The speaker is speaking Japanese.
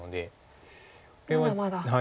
まだまだ。